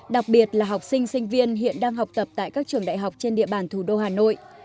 đặc biệt là học sinh sinh viên hiện đang học tập tại các trường đại học trên địa bàn thủ đô hà nội